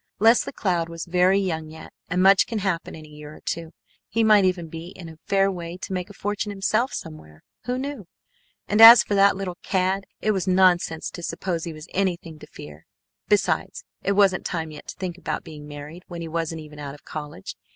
Leslie Cloud was very young yet, and much can happen in a year or two. He might even be in a fair way to make a fortune himself somewhere, who knew? And as for that little cad, it was nonsense to suppose he was anything to fear. Besides, it wasn't time yet to think about being married when he wasn't even out of college.